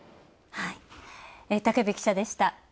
武部記者でした。